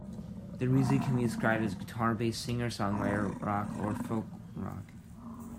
Their music can be described as guitar-based singer-songwriter rock or folk-rock.